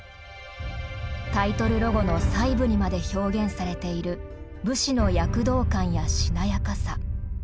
タイトルロゴの細部にまで表現されている武士の躍動感やしなやかさ。